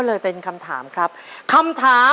ขอเชิญแม่จำรูนขึ้นมาต่อชีวิต